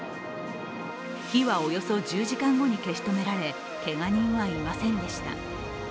火はおよそ１０時間後に消し止められけが人はいませんでした。